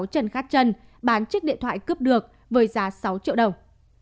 chị lờ đã bán chiếc điện thoại cướp được với giá sáu triệu đồng